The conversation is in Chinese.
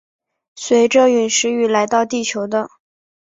随着殒石雨来到地球的。